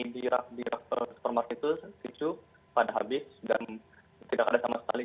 di supermark itu pada habis dan tidak ada sama sekali